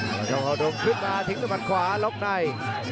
พลีหยัดกกล้างซ้าย